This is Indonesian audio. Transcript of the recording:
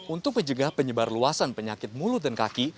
untuk menjaga penyebar luasan penyakit mulut dan kaki